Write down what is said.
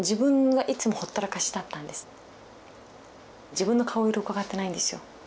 自分の顔色うかがってないんですよ。